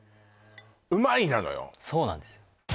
「うまい」なのよそうなんですよ